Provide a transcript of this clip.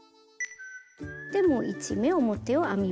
で１目表を編みます。